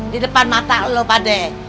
di depan mata lu pade